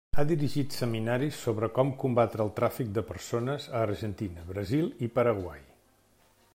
Ha dirigit seminaris sobre com combatre el tràfic de persones a Argentina, Brasil i Paraguai.